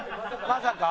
まさか」